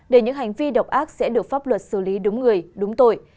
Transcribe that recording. để những hành vi độc ác sẽ được pháp luật xử lý đúng người đúng tội